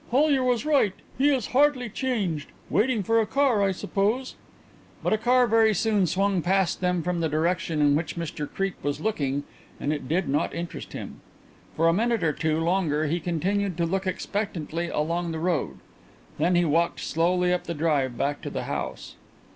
"Hollyer was right; he is hardly changed. Waiting for a car, I suppose." But a car very soon swung past them from the direction in which Mr Creake was looking and it did not interest him. For a minute or two longer he continued to look expectantly along the road. Then he walked slowly up the drive back to the house.